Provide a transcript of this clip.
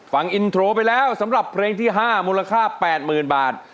ฟังอินโทรไปแล้วสำหรับเพลงที่๕มูลค่า๘๐๐๐บาท